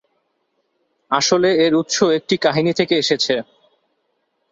আসলে এর উৎস একটি কাহিনী থেকে এসেছে।